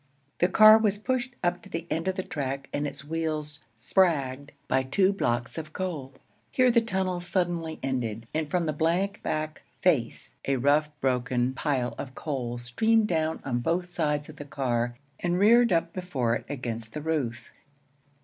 The car was pushed up to the end of the track and its wheels 'spragged' by two blocks of coal. Here the tunnel suddenly ended, and from the blank back 'face' a rough, broken pile of coal streamed down on both sides of the car and reared up before it against the roof.